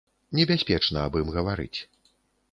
Небяспечна аб ім гаварыць.